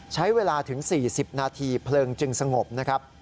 ใช้เวลาถึง๔๐นาทีเพลิงจึงสงบนะครับ